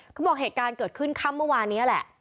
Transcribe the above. เขาบอกเหตุการณ์เกิดขึ้นค่ำเมื่อวานนี้แหละ